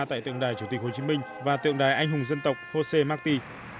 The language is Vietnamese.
tại tượng đài chủ tịch hồ chí minh và tượng đài anh hùng dân tộc josé marti